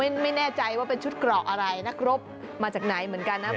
ไม่แน่ใจว่าเป็นชุดเกราะอะไรนักรบมาจากไหนเหมือนกันนะ